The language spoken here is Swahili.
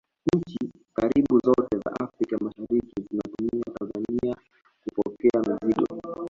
nchi karibu zote za africa mashariki zinatumia tanzania kupokea mizigo